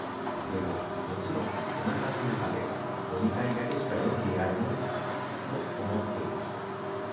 でも、もちろん、お腹の中では、読みたいだけしか読んでやるもんか、と思っていました。